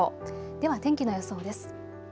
では天気の予想です。